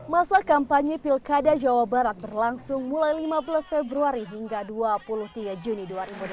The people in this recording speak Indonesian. masa kampanye pilkada jawa barat berlangsung mulai lima belas februari hingga dua puluh tiga juni dua ribu delapan belas